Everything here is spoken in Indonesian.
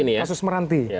untuk yang kasus meranti